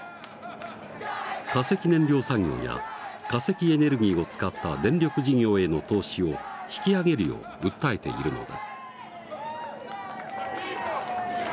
化石燃料産業や化石エネルギーを使った電力事業への投資を引き揚げるよう訴えているのだ。